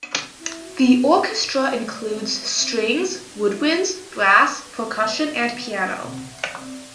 The orchestra includes strings, woodwinds, brass, percussion and piano.